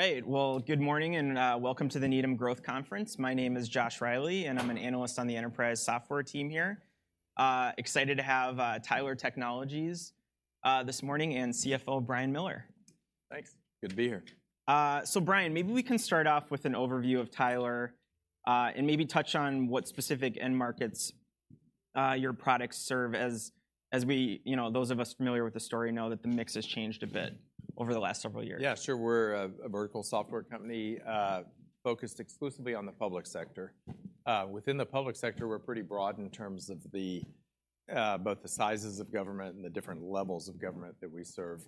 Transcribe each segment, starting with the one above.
All right, well, good morning, and welcome to the Needham Growth Conference. My name is Joshua Reilly, and I'm an analyst on the enterprise software team here. Excited to have Tyler Technologies this morning, and CFO Brian Miller. Thanks. Good to be here. So Brian, maybe we can start off with an overview of Tyler, and maybe touch on what specific end markets your products serve as, as we, you know, those of us familiar with the story know that the mix has changed a bit over the last several years. Yeah, sure. We're a vertical software company, focused exclusively on the public sector. Within the public sector, we're pretty broad in terms of both the sizes of government and the different levels of government that we serve.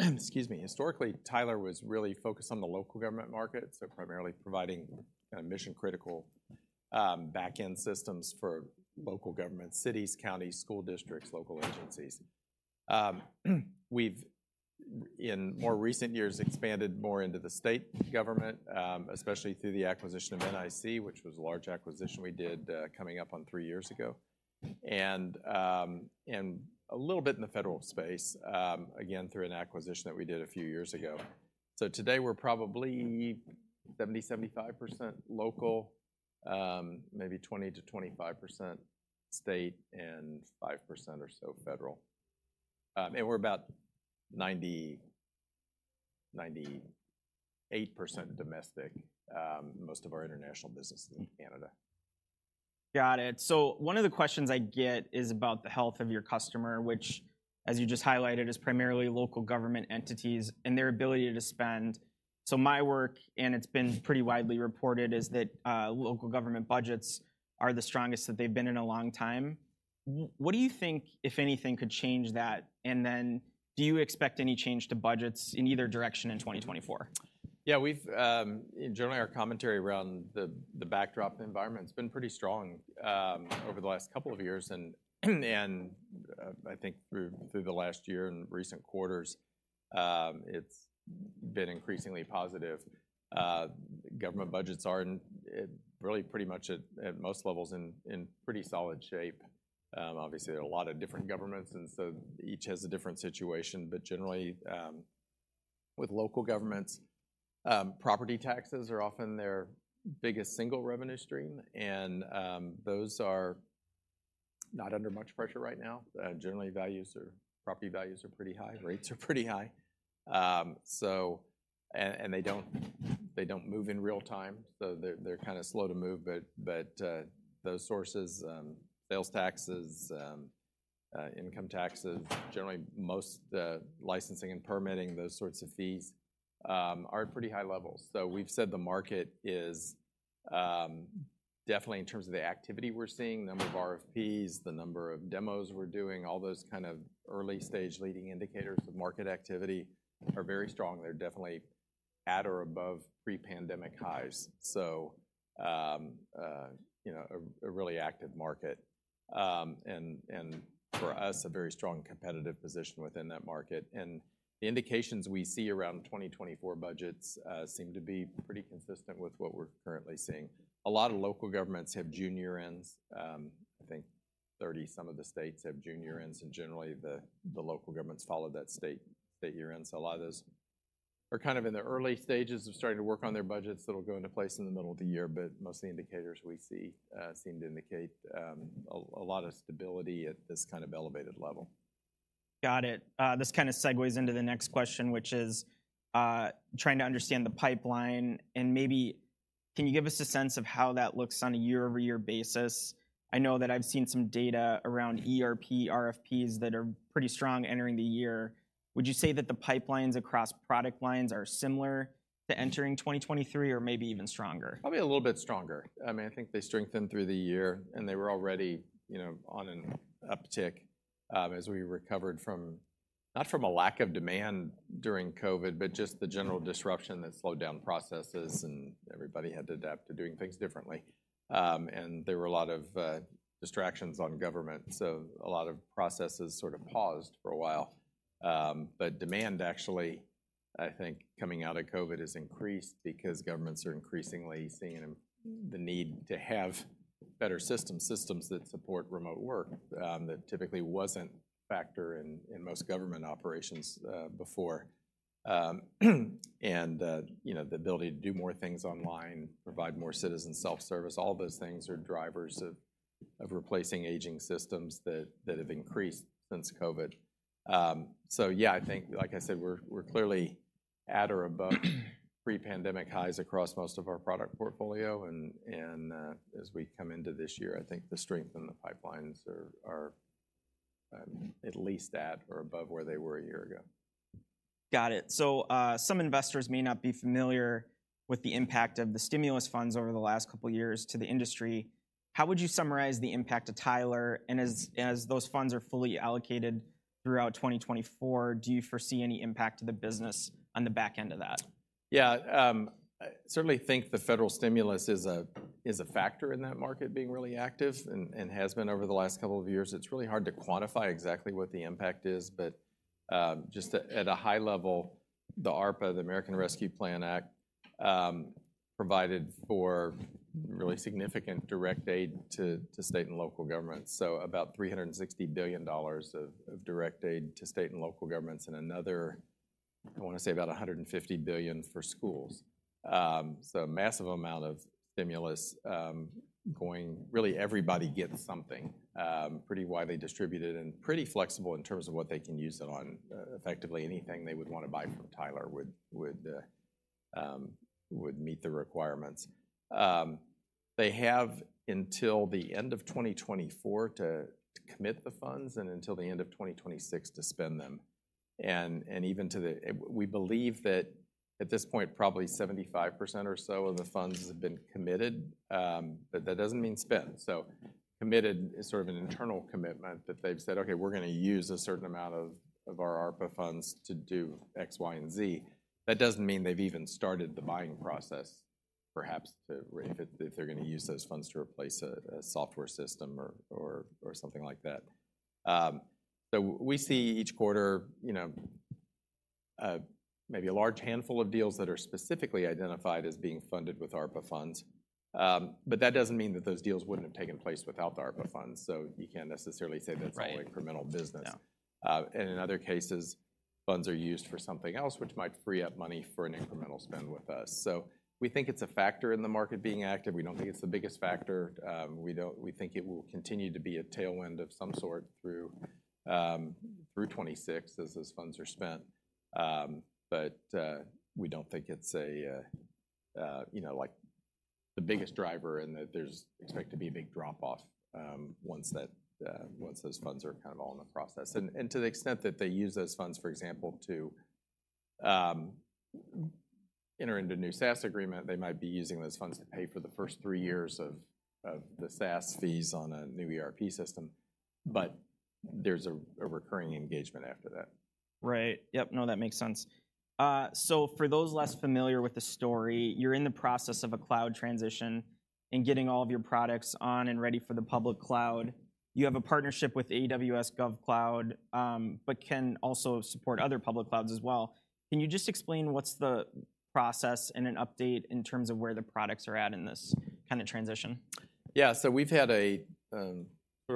Excuse me. Historically, Tyler was really focused on the local government market, so primarily providing kind of mission-critical, back-end systems for local government, cities, counties, school districts, local agencies. We've, in more recent years, expanded more into the state government, especially through the acquisition of NIC, which was a large acquisition we did, coming up on three years ago. And a little bit in the federal space, again, through an acquisition that we did a few years ago. So today, we're probably 70%-75% local, maybe 20%-25% state, and 5% or so federal. We're about 90%-98% domestic. Most of our international business is in Canada. Got it. So one of the questions I get is about the health of your customer, which, as you just highlighted, is primarily local government entities and their ability to spend. So my work, and it's been pretty widely reported, is that local government budgets are the strongest that they've been in a long time. What do you think, if anything, could change that? And then do you expect any change to budgets in either direction in 2024? Yeah, we've in general our commentary around the backdrop environment, it's been pretty strong over the last couple of years. And I think through the last year and recent quarters, it's been increasingly positive. Government budgets are in really pretty much at most levels in pretty solid shape. Obviously, there are a lot of different governments, and so each has a different situation. But generally, with local governments, property taxes are often their biggest single revenue stream, and those are not under much pressure right now. Generally, property values are pretty high, rates are pretty high. They don't move in real time, so they're kinda slow to move, but those sources, sales taxes, income taxes, generally, most, licensing and permitting, those sorts of fees, are at pretty high levels. So we've said the market is definitely in terms of the activity we're seeing, the number of RFPs, the number of demos we're doing, all those kind of early-stage leading indicators of market activity are very strong. They're definitely at or above pre-pandemic highs. So, you know, a really active market. And for us, a very strong competitive position within that market. And the indications we see around 2024 budgets seem to be pretty consistent with what we're currently seeing. A lot of local governments have June year-ends. I think 30-some of the states have June ends, and generally, the local governments follow that state year-end. So a lot of those are kind of in the early stages of starting to work on their budgets that'll go into place in the middle of the year, but most of the indicators we see seem to indicate a lot of stability at this kind of elevated level. Got it. This kind of segues into the next question, which is, trying to understand the pipeline, and maybe can you give us a sense of how that looks on a YoY basis? I know that I've seen some data around ERP, RFPs that are pretty strong entering the year. Would you say that the pipelines across product lines are similar to entering 2023 or maybe even stronger? Probably a little bit stronger. I mean, I think they strengthened through the year, and they were already, you know, on an uptick, as we recovered from... not from a lack of demand during COVID, but just the general disruption that slowed down processes, and everybody had to adapt to doing things differently. And there were a lot of distractions on government, so a lot of processes sort of paused for a while. But demand, actually, I think, coming out of COVID has increased because governments are increasingly seeing the need to have better systems, systems that support remote work, that typically wasn't a factor in most government operations, before. And you know, the ability to do more things online, provide more citizen self-service, all those things are drivers of replacing aging systems that have increased since COVID. So yeah, I think, like I said, we're clearly at or above pre-pandemic highs across most of our product portfolio, and as we come into this year, I think the strength in the pipelines are at least at or above where they were a year ago. Got it. So, some investors may not be familiar with the impact of the stimulus funds over the last couple of years to the industry. How would you summarize the impact of Tyler, and as those funds are fully allocated throughout 2024, do you foresee any impact to the business on the back end of that? Yeah, I certainly think the federal stimulus is a factor in that market being really active and has been over the last couple of years. It's really hard to quantify exactly what the impact is, but just at a high level, the ARPA, the American Rescue Plan Act, provided for really significant direct aid to state and local governments. So about $360 billion of direct aid to state and local governments, and another, I want to say about $150 billion for schools. So a massive amount of stimulus going, really everybody gets something, pretty widely distributed and pretty flexible in terms of what they can use it on. Effectively, anything they would want to buy from Tyler would meet the requirements. They have until the end of 2024 to commit the funds and until the end of 2026 to spend them. We believe that at this point, probably 75% or so of the funds have been committed, but that doesn't mean spent. So committed is sort of an internal commitment that they've said: "Okay, we're gonna use a certain amount of our ARPA funds to do X, Y, and Z." That doesn't mean they've even started the buying process, perhaps—if they're gonna use those funds to replace a software system or something like that. So we see each quarter, you know, maybe a large handful of deals that are specifically identified as being funded with ARPA funds. But that doesn't mean that those deals wouldn't have taken place without the ARPA funds, so you can't necessarily say that's- Right... all incremental business. Yeah. And in other cases, funds are used for something else, which might free up money for an incremental spend with us. So we think it's a factor in the market being active. We don't think it's the biggest factor. We think it will continue to be a tailwind of some sort through 2026 as those funds are spent. But we don't think it's a you know like the biggest driver and that there's expected to be a big drop off once those funds are kind of all in the process. To the extent that they use those funds, for example, to enter into a new SaaS agreement, they might be using those funds to pay for the first three years of the SaaS fees on a new ERP system, but there's a recurring engagement after that. Right. Yep. No, that makes sense. So for those less familiar with the story, you're in the process of a cloud transition and getting all of your products on and ready for the public cloud. You have a partnership with AWS GovCloud, but can also support other public clouds as well. Can you just explain what's the process and an update in terms of where the products are at in this kind of transition? Yeah, so we've had a sort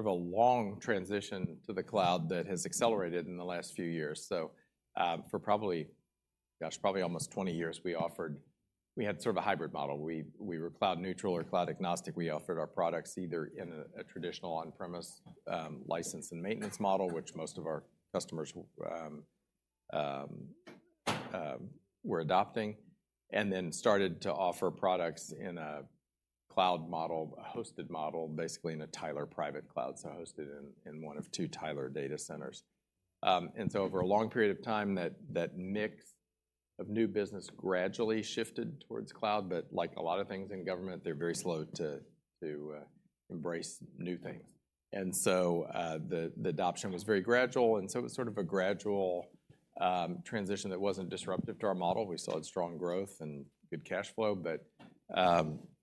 of a long transition to the cloud that has accelerated in the last few years. So, for probably, gosh, probably almost 20 years, we offered—we had sort of a hybrid model. We were cloud neutral or cloud agnostic. We offered our products either in a traditional on-premise license and maintenance model, which most of our customers were adopting, and then started to offer products in a cloud model, a hosted model, basically in a Tyler private cloud, so hosted in one of two Tyler data centers. And so over a long period of time, that mix of new business gradually shifted towards cloud, but like a lot of things in government, they're very slow to embrace new things. The adoption was very gradual, and so it was sort of a gradual transition that wasn't disruptive to our model. We still had strong growth and good cash flow, but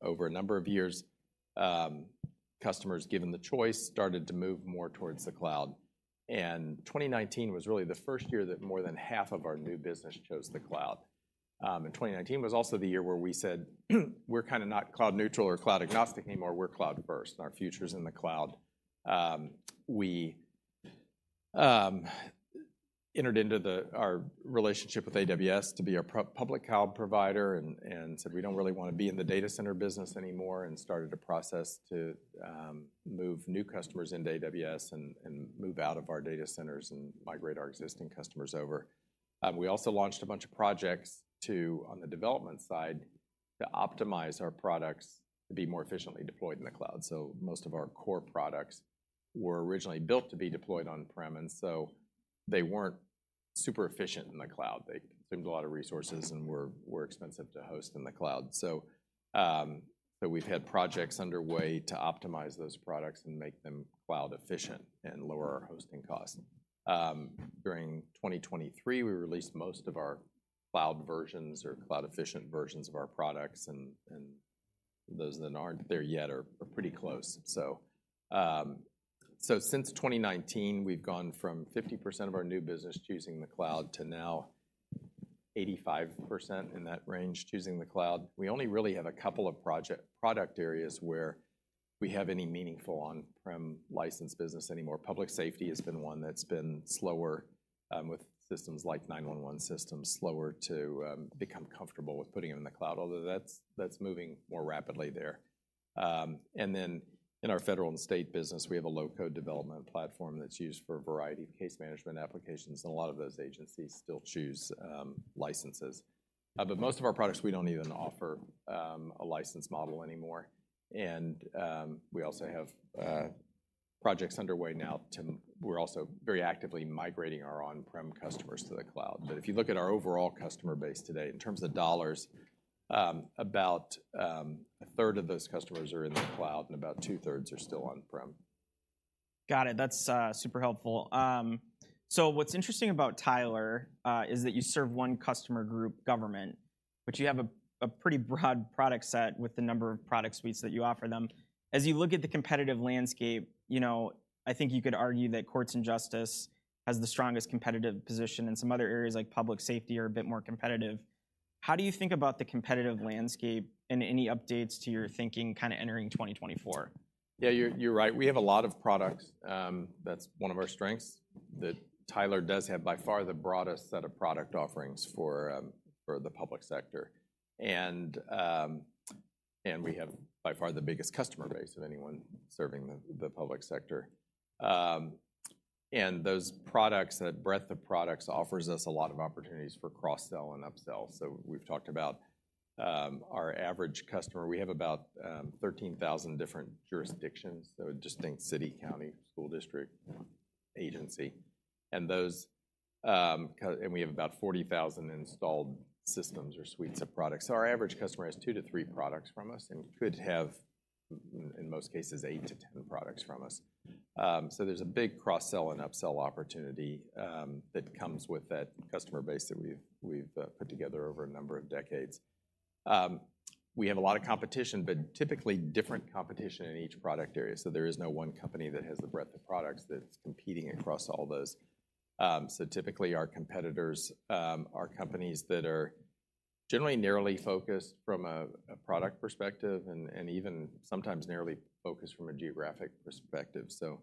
over a number of years, customers, given the choice, started to move more towards the cloud. And 2019 was really the first year that more than half of our new business chose the cloud. And 2019 was also the year where we said, "We're kinda not cloud neutral or cloud agnostic anymore. We're cloud first, and our future's in the cloud." We entered into our relationship with AWS to be a public cloud provider and said: We don't really wanna be in the data center business anymore, and started a process to move new customers into AWS and move out of our data centers and migrate our existing customers over. We also launched a bunch of projects to, on the development side, to optimize our products to be more efficiently deployed in the cloud. So most of our core products were originally built to be deployed on-prem, and so they weren't super efficient in the cloud. They consumed a lot of resources and were expensive to host in the cloud. So we've had projects underway to optimize those products and make them cloud efficient and lower our hosting costs. During 2023, we released most of our cloud versions or cloud efficient versions of our products, and those that aren't there yet are pretty close. So, since 2019, we've gone from 50% of our new business choosing the cloud to now 85% in that range, choosing the cloud. We only really have a couple of product areas where we have any meaningful on-prem license business anymore. Public safety has been one that's been slower, with systems like 911 systems, slower to become comfortable with putting them in the cloud, although that's moving more rapidly there. And then in our federal and state business, we have a low-code development platform that's used for a variety of case management applications, and a lot of those agencies still choose licenses. But most of our products, we don't even offer a license model anymore. And we also have projects underway now to... We're also very actively migrating our on-prem customers to the cloud. But if you look at our overall customer base today, in terms of dollars, about a third of those customers are in the cloud, and about two-thirds are still on-prem. Got it. That's super helpful. So what's interesting about Tyler is that you serve one customer group, government, but you have a pretty broad product set with the number of product suites that you offer them. As you look at the competitive landscape, you know, I think you could argue that courts and justice has the strongest competitive position, and some other areas, like public safety, are a bit more competitive... How do you think about the competitive landscape and any updates to your thinking kind of entering 2024? Yeah, you're right. We have a lot of products, that's one of our strengths, that Tyler does have by far the broadest set of product offerings for the public sector. And we have by far the biggest customer base of anyone serving the public sector. And those products, that breadth of products offers us a lot of opportunities for cross-sell and upsell. So we've talked about our average customer. We have about 13,000 different jurisdictions, so a distinct city, county, school district, agency. And we have about 40,000 installed systems or suites of products. So our average customer has two-three products from us and could have, in most cases, eight-10 products from us. So there's a big cross-sell and upsell opportunity that comes with that customer base that we've put together over a number of decades. We have a lot of competition, but typically different competition in each product area, so there is no one company that has the breadth of products that's competing across all those. So typically our competitors are companies that are generally narrowly focused from a product perspective and even sometimes narrowly focused from a geographic perspective. So, you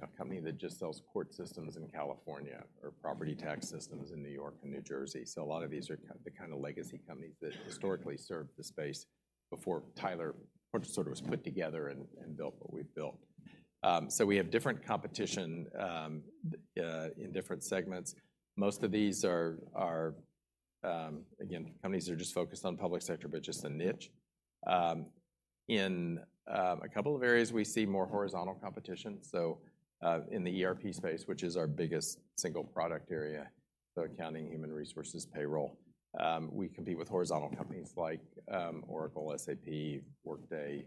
know, a company that just sells court systems in California or property tax systems in New York and New Jersey. So a lot of these are kind of legacy companies that historically served the space before Tyler sort of was put together and built what we've built. So we have different competition in different segments. Most of these are again companies that are just focused on public sector, but just a niche. In a couple of areas, we see more horizontal competition, so in the ERP space, which is our biggest single product area, so accounting, human resources, payroll, we compete with horizontal companies like Oracle, SAP, Workday,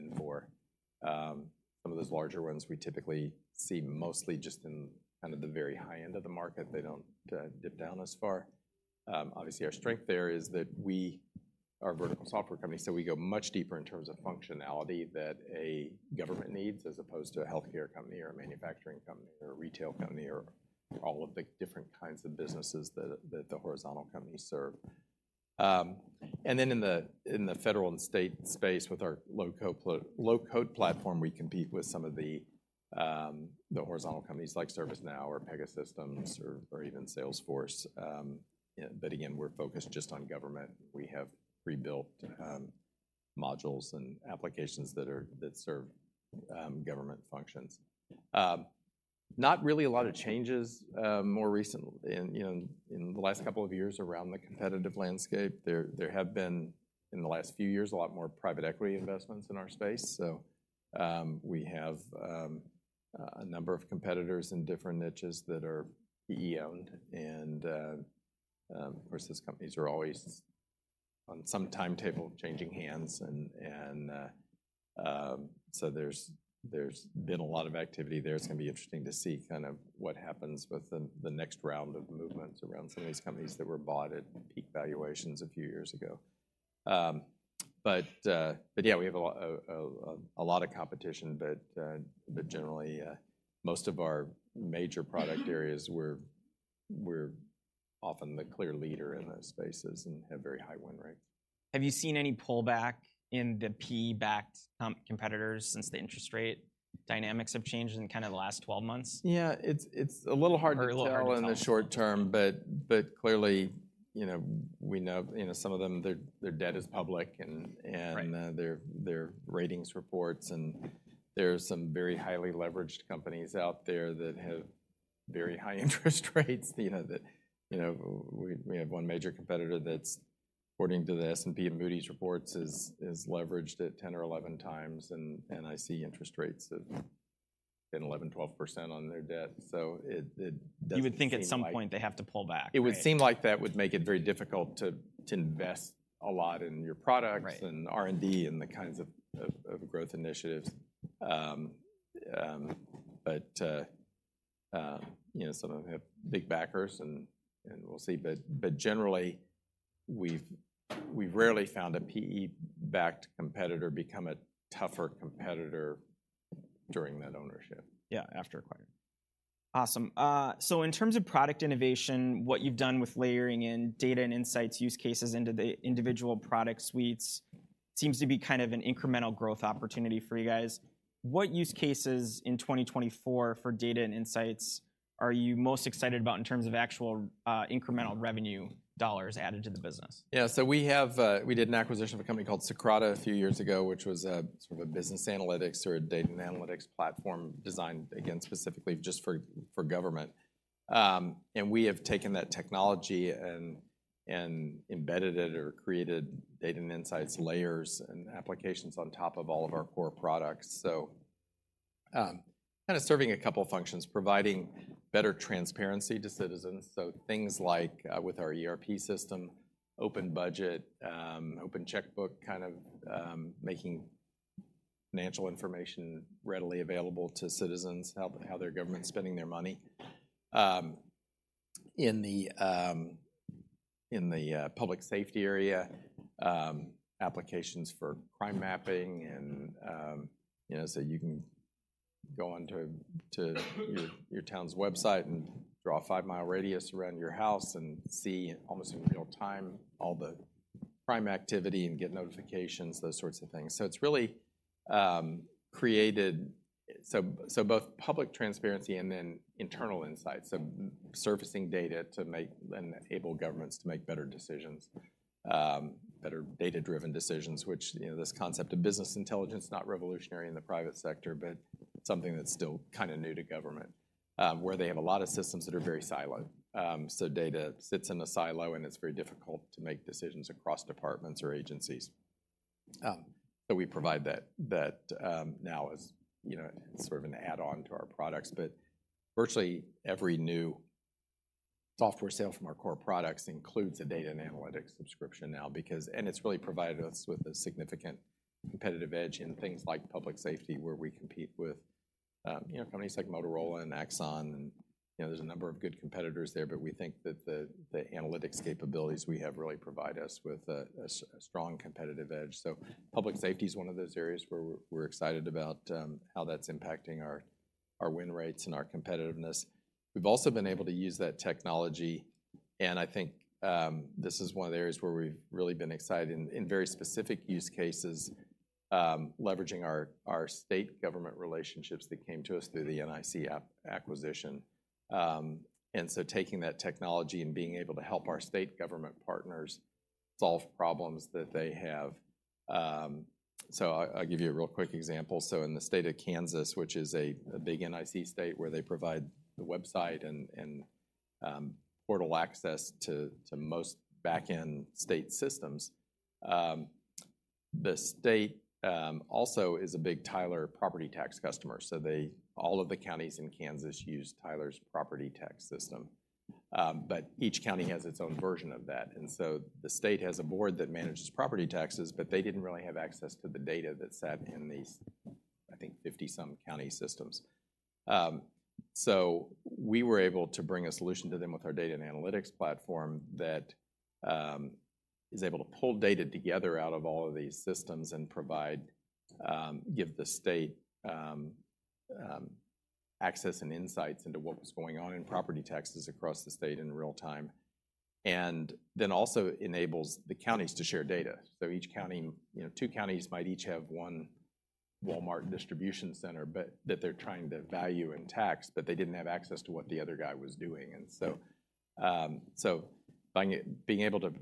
Infor. Some of those larger ones we typically see mostly just in kind of the very high end of the market. They don't dip down as far. Obviously, our strength there is that we are a vertical software company, so we go much deeper in terms of functionality that a government needs, as opposed to a healthcare company or a manufacturing company or a retail company or all of the different kinds of businesses that, that the horizontal companies serve. And then in the, in the federal and state space with our low-code platform, we compete with some of the, the horizontal companies like ServiceNow or Pegasystems or, or even Salesforce. You know, but again, we're focused just on government. We have prebuilt modules and applications that serve government functions. Not really a lot of changes, more recently in, you know, in the last couple of years around the competitive landscape. There have been, in the last few years, a lot more private equity investments in our space, so we have a number of competitors in different niches that are PE-owned, and of course, those companies are always on some timetable of changing hands and so there's been a lot of activity there. It's going to be interesting to see kind of what happens with the next round of movements around some of these companies that were bought at peak valuations a few years ago. But yeah, we have a lot of competition, but generally, most of our major product areas, we're often the clear leader in those spaces and have very high win rates. Have you seen any pullback in the PE-backed competitors since the interest rate dynamics have changed in kind of the last 12 months? Yeah, it's a little hard to tell- Or a little hard to tell. in the short term, but clearly, you know, we know, you know, some of them, their debt is public and Right... their ratings reports, and there are some very highly leveraged companies out there that have very high interest rates. You know, you know, we have one major competitor that's, according to the S&P and Moody's reports, is leveraged at 10 or 11 times, and I see interest rates of 11%-12% on their debt. So it does seem like- You would think at some point they have to pull back, right? It would seem like that would make it very difficult to invest a lot in your products- Right... and R&D and the kinds of growth initiatives. You know, some of them have big backers, and we'll see. But generally, we've rarely found a PE-backed competitor become a tougher competitor during that ownership. Yeah, after acquired. Awesome. So in terms of product innovation, what you've done with layering in data and insights use cases into the individual product suites seems to be kind of an incremental growth opportunity for you guys. What use cases in 2024 for data and insights are you most excited about in terms of actual, incremental revenue dollars added to the business? Yeah, so we have, we did an acquisition of a company called Socrata a few years ago, which was a sort of a business analytics or a data and analytics platform designed, again, specifically just for government. And we have taken that technology and embedded it or created data and insights layers and applications on top of all of our core products. So, kind of serving a couple functions, providing better transparency to citizens. So things like, with our ERP system, open budget, open checkbook, kind of, making financial information readily available to citizens, how their government's spending their money. In the public safety area, applications for crime mapping and, you know, so you can-... Go onto your town's website and draw a five-mile radius around your house and see, almost in real time, all the crime activity and get notifications, those sorts of things. So it's really created so both public transparency and then internal insights, so surfacing data to make and enable governments to make better decisions, better data-driven decisions, which, you know, this concept of business intelligence, not revolutionary in the private sector, but something that's still kinda new to government, where they have a lot of systems that are very siloed. So data sits in a silo, and it's very difficult to make decisions across departments or agencies. So we provide that now as, you know, sort of an add-on to our products. But virtually every new software sale from our core products includes a data and analytics subscription now, because, and it's really provided us with a significant competitive edge in things like public safety, where we compete with, you know, companies like Motorola and Axon, and, you know, there's a number of good competitors there, but we think that the analytics capabilities we have really provide us with a strong competitive edge. So public safety is one of those areas where we're excited about how that's impacting our win rates and our competitiveness. We've also been able to use that technology, and I think, this is one of the areas where we've really been excited in very specific use cases, leveraging our state government relationships that came to us through the NIC acquisition. And so taking that technology and being able to help our state government partners solve problems that they have. So I'll give you a real quick example. So in the state of Kansas, which is a big NIC state where they provide the website and portal access to most back-end state systems, the state also is a big Tyler property tax customer, so they all of the counties in Kansas use Tyler's property tax system. But each county has its own version of that, and so the state has a board that manages property taxes, but they didn't really have access to the data that sat in these, I think, 50-some county systems. So, we were able to bring a solution to them with our data and analytics platform that is able to pull data together out of all of these systems and provide, give the state access and insights into what was going on in property taxes across the state in real time, and then also enables the counties to share data. So each county, you know, two counties might each have one Walmart distribution center, but that they're trying to value and tax, but they didn't have access to what the other guy was doing. And so, by being able to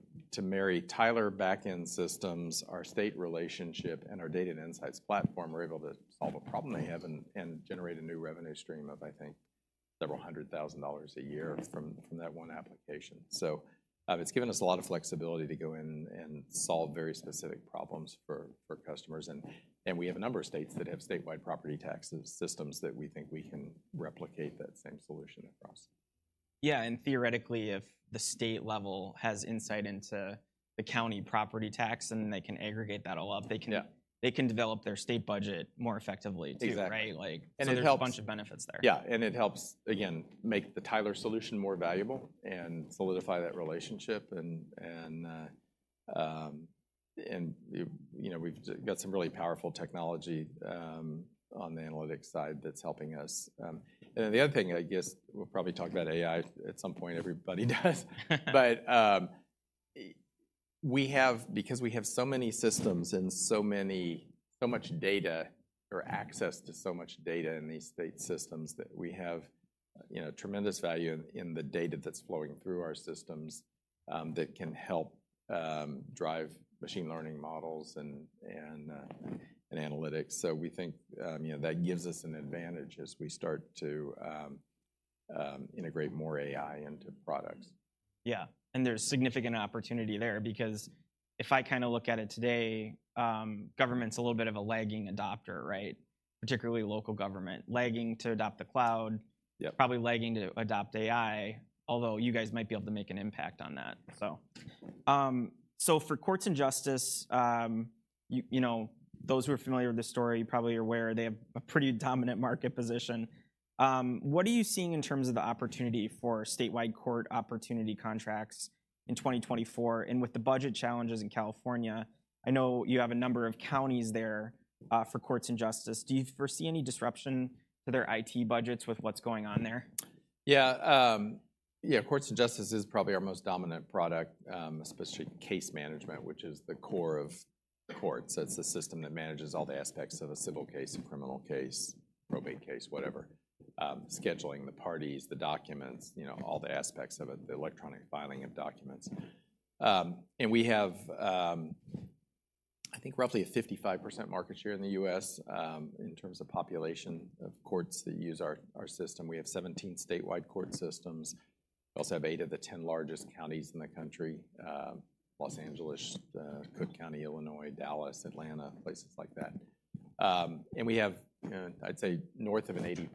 marry Tyler back-end systems, our state relationship, and our data and insights platform, we're able to solve a problem they have and generate a new revenue stream of, I think, $ several hundred thousand a year from that one application. So, it's given us a lot of flexibility to go in and solve very specific problems for customers, and we have a number of states that have statewide property tax systems that we think we can replicate that same solution across. Yeah, and theoretically, if the state level has insight into the county property tax, and they can aggregate that all up, they can- Yeah. They can develop their state budget more effectively, too- Exactly. Right? Like- And it helps- There's a bunch of benefits there. Yeah, and it helps, again, make the Tyler solution more valuable and solidify that relationship, and, you know, we've got some really powerful technology on the analytics side that's helping us. And then the other thing, I guess we'll probably talk about AI at some point, everybody does. But we have—because we have so many systems and so many, so much data, or access to so much data in these state systems, that we have, you know, tremendous value in the data that's flowing through our systems that can help drive machine learning models and analytics. So we think, you know, that gives us an advantage as we start to integrate more AI into products. Yeah, and there's significant opportunity there because if I kinda look at it today, government's a little bit of a lagging adopter, right? Particularly local government, lagging to adopt the cloud- Yeah.... probably lagging to adopt AI, although you guys might be able to make an impact on that, so. So for courts and justice, you, you know, those who are familiar with this story, you probably are aware they have a pretty dominant market position. What are you seeing in terms of the opportunity for statewide court opportunity contracts in 2024? And with the budget challenges in California, I know you have a number of counties there, for courts and justice. Do you foresee any disruption to their IT budgets with what's going on there? Yeah, yeah, courts and justice is probably our most dominant product, especially case management, which is the core of courts. That's the system that manages all the aspects of a civil case, a criminal case, probate case, whatever. Scheduling the parties, the documents, you know, all the aspects of it, the electronic filing of documents. And we have, I think, roughly a 55% market share in the U.S., in terms of population of courts that use our system. We have 17 statewide court systems. We also have eight of the 10 largest counties in the country, Los Angeles, Cook County, Illinois, Dallas, Atlanta, places like that. And we have, I'd say, north of an 80%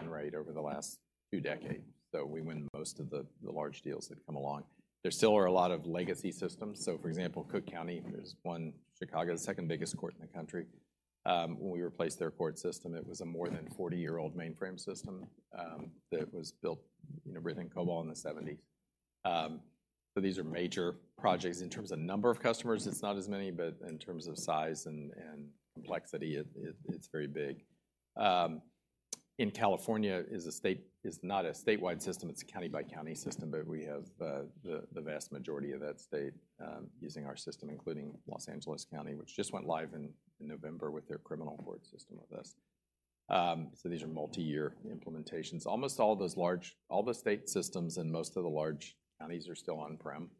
win rate over the last two decades, so we win most of the large deals that come along. There still are a lot of legacy systems. So, for example, Cook County, there's one, Chicago, the second biggest court in the country. When we replaced their court system, it was a more than 40-year-old mainframe system that was built, you know, written in COBOL in the 1970s. So these are major projects. In terms of number of customers, it's not as many, but in terms of size and complexity, it's very big. In California, it's a state, it's not a statewide system, it's a county-by-county system, but we have the vast majority of that state using our system, including Los Angeles County, which just went live in November with their criminal court system with us. So these are multi-year implementations. Almost all those large, all the state systems and most of the large counties are still on-prem.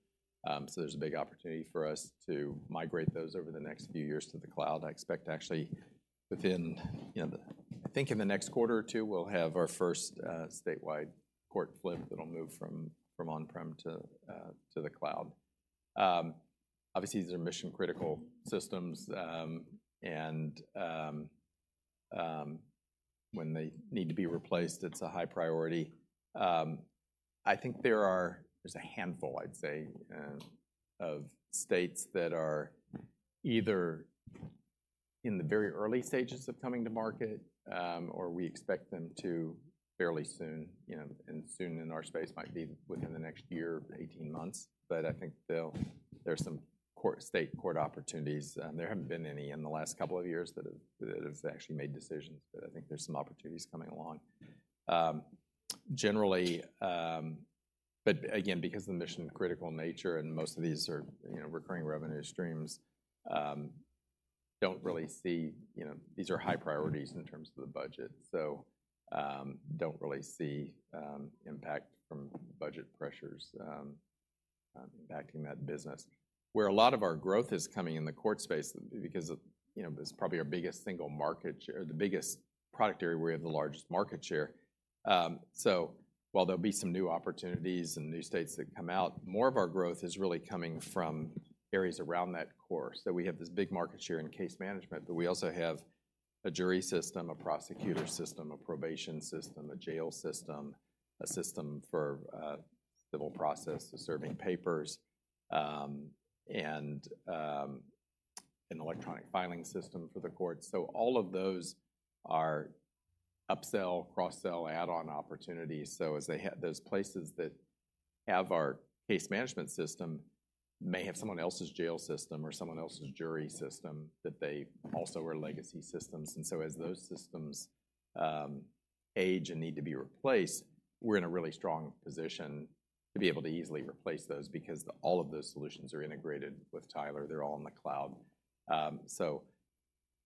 So there's a big opportunity for us to migrate those over the next few years to the cloud. I expect actually within, you know, I think in the next quarter or two, we'll have our first statewide court flip that'll move from on-prem to the cloud. Obviously, these are mission-critical systems, and when they need to be replaced, it's a high priority. I think there's a handful, I'd say, of states that are either in the very early stages of coming to market, or we expect them to fairly soon, you know, and soon in our space might be within the next year, 18 months. But I think there are some court, state court opportunities. There haven't been any in the last couple of years that have, that have actually made decisions, but I think there's some opportunities coming along. Generally, but again, because of the mission-critical nature and most of these are, you know, recurring revenue streams, don't really see, you know, these are high priorities in terms of the budget, so, don't really see, impact from budget pressures, impacting that business. Where a lot of our growth is coming in the court space, because of, you know, it's probably our biggest single market share, the biggest product area where we have the largest market share. So while there'll be some new opportunities and new states that come out, more of our growth is really coming from areas around that core. So we have this big market share in case management, but we also have a jury system, a prosecutor system, a probation system, a jail system, a system for civil process, serving papers, and an electronic filing system for the court. So all of those are upsell, cross-sell, add-on opportunities. So as those places that have our case management system may have someone else's jail system or someone else's jury system, that they also are legacy systems. And so as those systems age and need to be replaced, we're in a really strong position to be able to easily replace those because all of those solutions are integrated with Tyler. They're all in the cloud. So,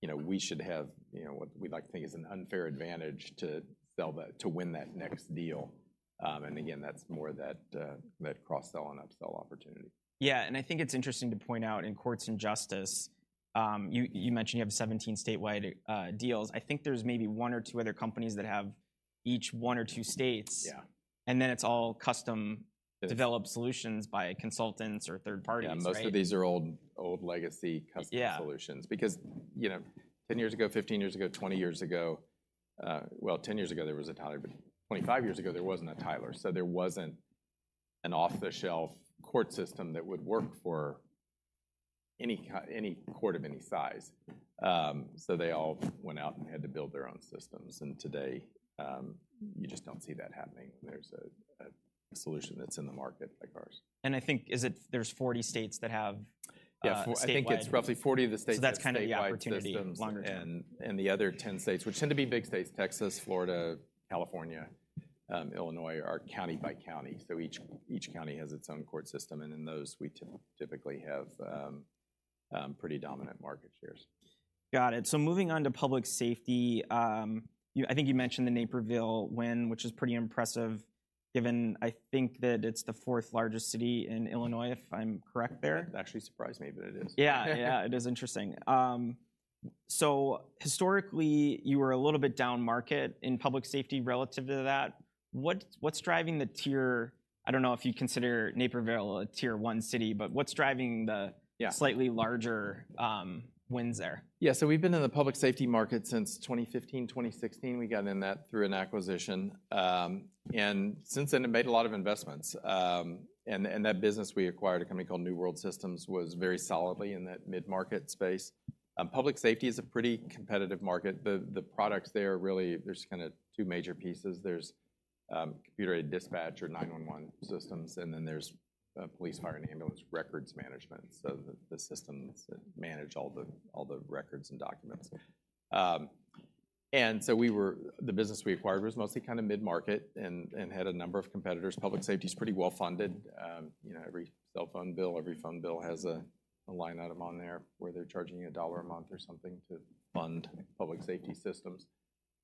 you know, we should have, you know, what we like to think is an unfair advantage to sell that, to win that next deal. Again, that's more of that, that cross-sell and upsell opportunity. Yeah, and I think it's interesting to point out in courts and justice, you mentioned you have 17 statewide deals. I think there's maybe one or two other companies that have each one or two states. Yeah. And then it's all custom- Yes... developed solutions by consultants or third parties, right? Yeah, most of these are old, old legacy custom solutions. Yeah. Because, you know, 10 years ago, 15 years ago, 20 years ago, well, 10 years ago, there was a Tyler, but 25 years ago, there wasn't a Tyler, so there wasn't an off-the-shelf court system that would work for any court of any size. So they all went out and had to build their own systems, and today, you just don't see that happening. There's a solution that's in the market like ours. And I think, is it there's 40 states that have statewide- Yeah, I think it's roughly 40 of the states that have statewide systems. So that's kind of the opportunity longer term. The other 10 states, which tend to be big states, Texas, Florida, California, Illinois, are county by county. Each county has its own court system, and in those, we typically have pretty dominant market shares. Got it. So moving on to public safety, you—I think you mentioned the Naperville win, which is pretty impressive, given I think that it's the fourth largest city in Illinois, if I'm correct there. It actually surprised me, but it is. Yeah, yeah, it is interesting. So historically, you were a little bit down market in public safety relative to that. What's driving the tier... I don't know if you consider Naperville a tier one city, but what's driving the- Yeah... slightly larger, wins there? Yeah, so we've been in the public safety market since 2015, 2016. We got in that through an acquisition. And since then, have made a lot of investments. And that business we acquired, a company called New World Systems, was very solidly in that mid-market space. Public safety is a pretty competitive market. The products there are really, there's kinda two major pieces. There's computer-aided dispatch or 911 systems, and then there's police, fire, and ambulance records management, so the systems that manage all the records and documents. And so the business we acquired was mostly kinda mid-market and had a number of competitors. Public safety is pretty well-funded. You know, every cell phone bill, every phone bill has a line item on there where they're charging you $1 a month or something to fund public safety systems.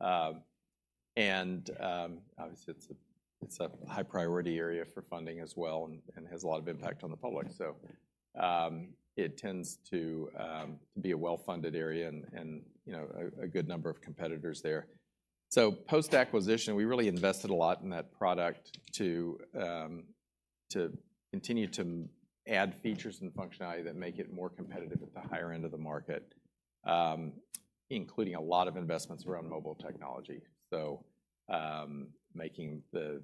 Obviously, it's a high-priority area for funding as well and has a lot of impact on the public. So, it tends to be a well-funded area and, you know, a good number of competitors there. So post-acquisition, we really invested a lot in that product to continue to add features and functionality that make it more competitive at the higher end of the market, including a lot of investments around mobile technology. So, making the,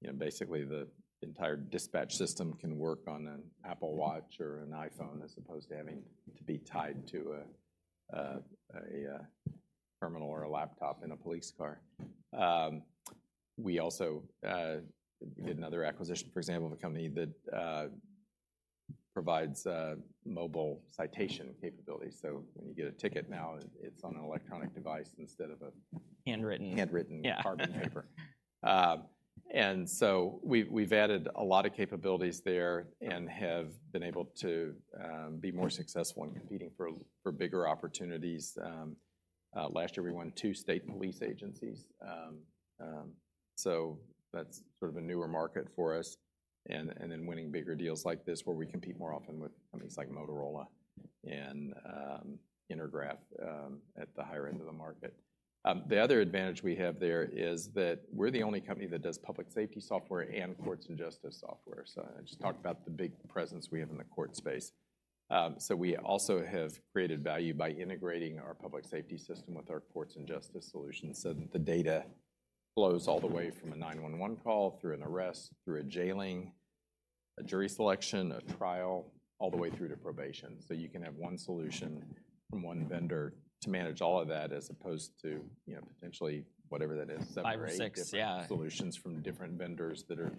you know, basically the entire dispatch system can work on-... Apple Watch or an iPhone, as opposed to having to be tied to a terminal or a laptop in a police car. We also did another acquisition, for example, of a company that provides mobile citation capabilities. So when you get a ticket now, it's on an electronic device instead of a- Handwritten. Handwritten- Yeah... carbon paper. And so we've added a lot of capabilities there and have been able to be more successful in competing for bigger opportunities. Last year we won two state police agencies. So that's sort of a newer market for us, and then winning bigger deals like this, where we compete more often with companies like Motorola and Intergraph at the higher end of the market. The other advantage we have there is that we're the only company that does public safety software and courts and justice software. So I just talked about the big presence we have in the court space. So we also have created value by integrating our public safety system with our courts and justice solutions, so that the data flows all the way from a 911 call, through an arrest, through a jailing, a jury selection, a trial, all the way through to probation. So you can have one solution from one vendor to manage all of that, as opposed to, you know, potentially whatever that is, seven or eight- five or six, yeah... different solutions from different vendors that are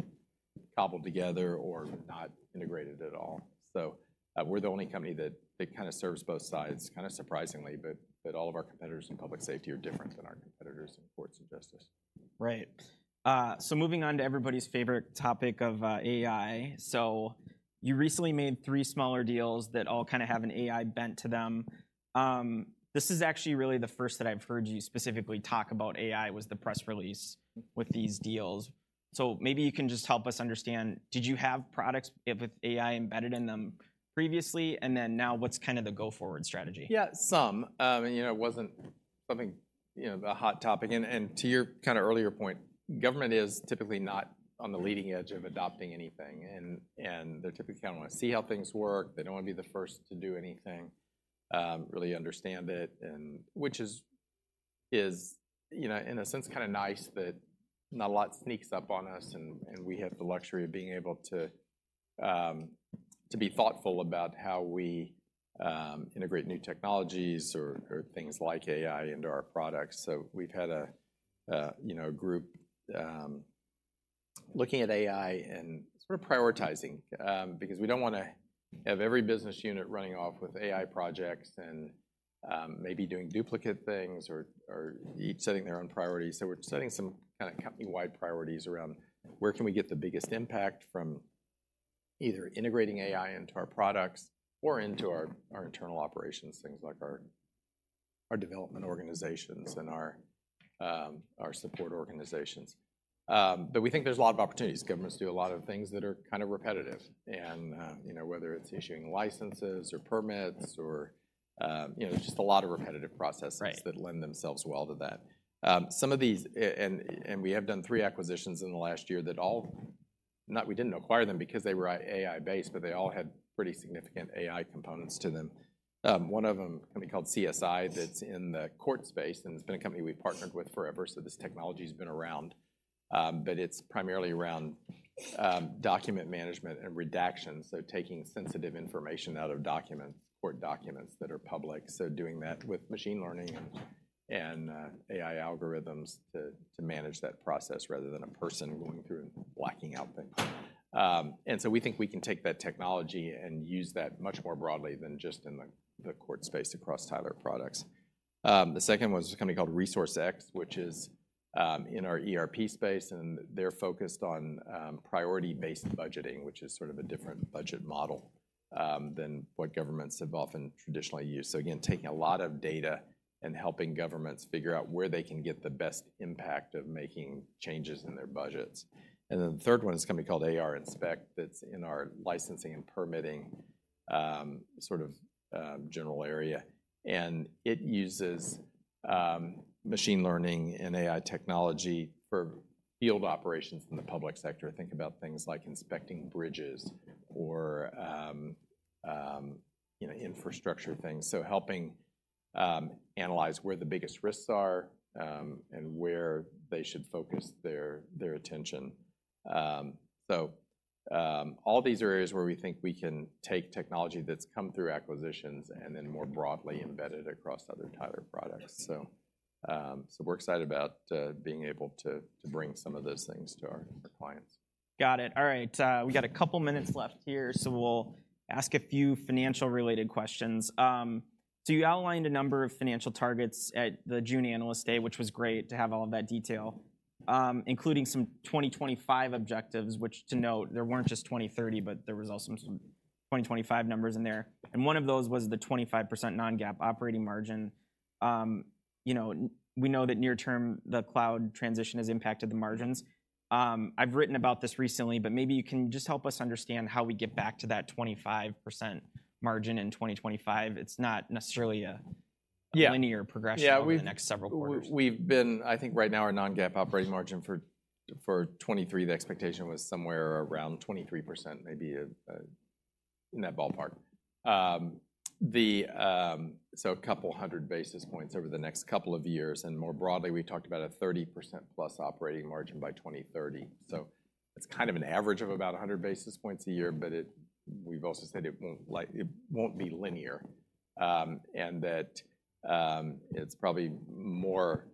cobbled together or not integrated at all. So, we're the only company that kind of serves both sides, kind of surprisingly, but all of our competitors in public safety are different than our competitors in courts and justice. Right. So moving on to everybody's favorite topic of AI. So you recently made three smaller deals that all kind of have an AI bent to them. This is actually really the first that I've heard you specifically talk about AI, was the press release with these deals. So maybe you can just help us understand, did you have products with AI embedded in them previously? And then now, what's kind of the go-forward strategy? Yeah, some. And, you know, it wasn't something, you know, the hot topic. And to your kind of earlier point, government is typically not on the leading edge of adopting anything, and they typically kind of want to see how things work. They don't want to be the first to do anything, really understand it, and which is, you know, in a sense, kind of nice that not a lot sneaks up on us, and we have the luxury of being able to be thoughtful about how we integrate new technologies or things like AI into our products. So we've had a you know, group looking at AI and sort of prioritizing, because we don't wanna have every business unit running off with AI projects and, maybe doing duplicate things or each setting their own priorities. So we're setting some kind of company-wide priorities around: Where can we get the biggest impact from either integrating AI into our products or into our internal operations? Things like our development organizations and our support organizations. But we think there's a lot of opportunities. Governments do a lot of things that are kind of repetitive and, you know, whether it's issuing licenses or permits or, you know, just a lot of repetitive processes- Right... that lend themselves well to that. Some of these, and we have done three acquisitions in the last year that all, not we didn't acquire them because they were AI-based, but they all had pretty significant AI components to them. One of them, a company called CSI, that's in the court space, and it's been a company we've partnered with forever, so this technology's been around. But it's primarily around document management and redaction, so taking sensitive information out of documents, court documents that are public. So doing that with machine learning and AI algorithms to manage that process, rather than a person going through and blacking out things. And so we think we can take that technology and use that much more broadly than just in the court space across Tyler products. The second one was a company called ResourceX, which is, in our ERP space, and they're focused on, priority-based budgeting, which is sort of a different budget model, than what governments have often traditionally used. So again, taking a lot of data and helping governments figure out where they can get the best impact of making changes in their budgets. And then the third one is a company called ARInspect, that's in our licensing and permitting, sort of, general area. And it uses, machine learning and AI technology for field operations in the public sector. Think about things like inspecting bridges or, you know, infrastructure things. So helping, analyze where the biggest risks are, and where they should focus their attention. All these are areas where we think we can take technology that's come through acquisitions and then more broadly embed it across other Tyler products. So, we're excited about being able to bring some of those things to our clients. Got it. All right, we've got a couple minutes left here, so we'll ask a few financial-related questions. So you outlined a number of financial targets at the June Analyst Day, which was great to have all of that detail, including some 2025 objectives, which to note, there weren't just 2030, but there was also some 2025 numbers in there. And one of those was the 25% non-GAAP operating margin. You know, we know that near term, the cloud transition has impacted the margins. I've written about this recently, but maybe you can just help us understand how we get back to that 25% margin in 2025. It's not necessarily a- Yeah... linear progression- Yeah, we- over the next several quarters. I think right now, our Non-GAAP Operating Margin for 23, the expectation was somewhere around 23%, maybe, in that ballpark. So a couple hundred basis points over the next couple of years, and more broadly, we talked about a 30%+ operating margin by 2030. So it's kind of an average of about 100 basis points a year, but we've also said it won't be linear, and that it's probably more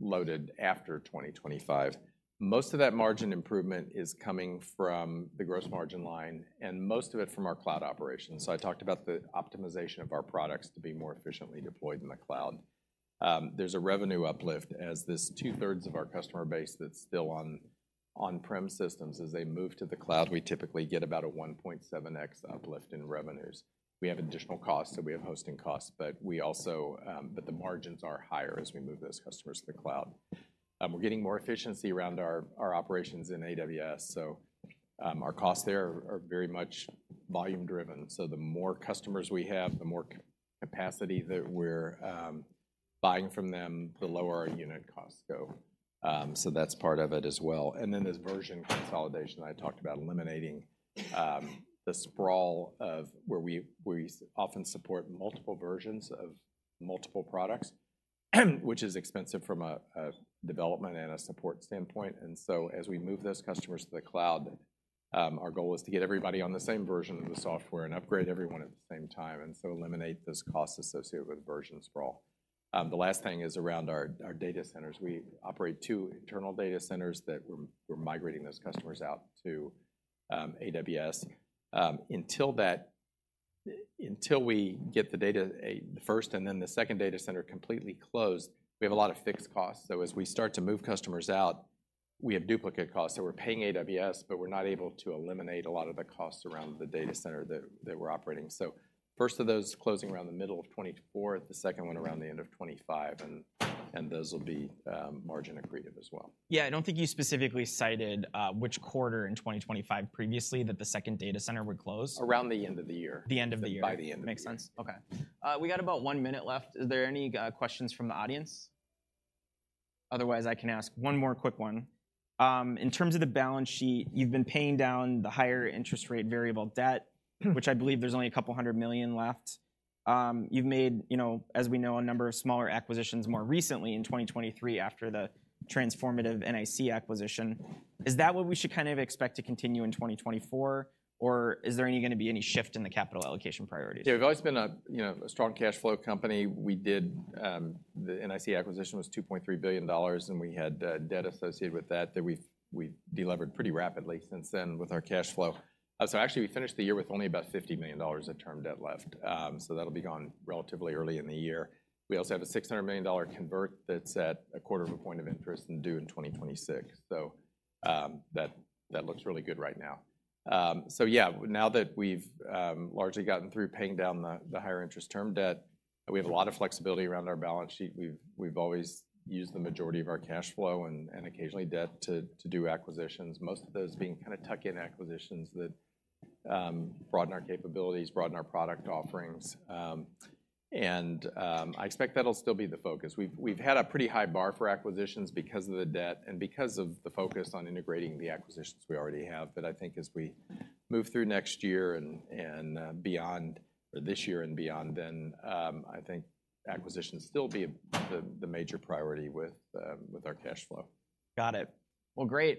loaded after 2025. Most of that margin improvement is coming from the gross margin line, and most of it from our cloud operations. So I talked about the optimization of our products to be more efficiently deployed in the cloud. There's a revenue uplift as this two-thirds of our customer base that's still on on-prem systems. As they move to the cloud, we typically get about a 1.7x uplift in revenues. We have additional costs, so we have hosting costs, but we also. But the margins are higher as we move those customers to the cloud. We're getting more efficiency around our, our operations in AWS, so, our costs there are, are very much volume driven. So the more customers we have, the more capacity that we're, buying from them, the lower our unit costs go. So that's part of it as well. And then there's version consolidation. I talked about eliminating, the sprawl of where we, we often support multiple versions of multiple products, which is expensive from a, a development and a support standpoint. As we move those customers to the cloud, our goal is to get everybody on the same version of the software and upgrade everyone at the same time, and so eliminate those costs associated with version sprawl. The last thing is around our data centers. We operate two internal data centers that we're migrating those customers out to AWS. Until we get the data, the first and then the second data center completely closed, we have a lot of fixed costs. So as we start to move customers out, we have duplicate costs. So we're paying AWS, but we're not able to eliminate a lot of the costs around the data center that we're operating. So first of those closing around the middle of 2024, the second one around the end of 2025, and, and those will be margin accretive as well. Yeah, I don't think you specifically cited which quarter in 2025 previously that the second data center would close. Around the end of the year. The end of the year. By the end of the year. Makes sense. Okay. We got about one minute left. Is there any questions from the audience? Otherwise, I can ask one more quick one. In terms of the balance sheet, you've been paying down the higher interest rate variable debt- Mm. which I believe there's only $200 million left. You've made, you know, as we know, a number of smaller acquisitions more recently in 2023 after the transformative NIC acquisition. Is that what we should kind of expect to continue in 2024, or is there gonna be any shift in the capital allocation priorities? Yeah, we've always been a, you know, a strong cash flow company. We did. The NIC acquisition was $2.3 billion, and we had debt associated with that, that we've, we've de-levered pretty rapidly since then with our cash flow. So actually, we finished the year with only about $50 million of term debt left. So that'll be gone relatively early in the year. We also have a $600 million convert that's at 0.25% interest and due in 2026. So, that looks really good right now. So yeah, now that we've largely gotten through paying down the higher interest term debt, we have a lot of flexibility around our balance sheet. We've always used the majority of our cash flow and occasionally debt to do acquisitions, most of those being kinda tuck-in acquisitions that broaden our capabilities, broaden our product offerings. I expect that'll still be the focus. We've had a pretty high bar for acquisitions because of the debt and because of the focus on integrating the acquisitions we already have. But I think as we move through next year and beyond or this year and beyond, then I think acquisitions still be the major priority with our cash flow. Got it. Well, great.